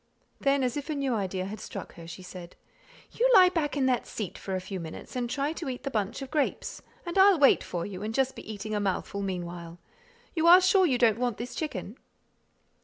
Then, as if a new idea had struck her, she said, "You lie back in that seat for a few minutes, and try to eat the bunch of grapes, and I'll wait for you, and just be eating a mouthful meanwhile. You are sure you don't want this chicken?"